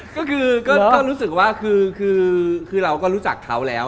ก็คือก็รู้สึกว่าคือเราก็รู้จักเขาแล้ว